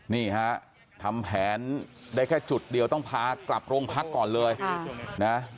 นี่ฮะทำแผนได้แค่จุดเดียวต้องพากลับโรงพักก่อนเลยนะ